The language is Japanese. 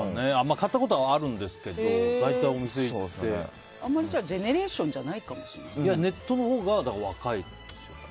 買ったことはあるんですけどあんまりジェネレーションじゃネットのほうが若いんですよ。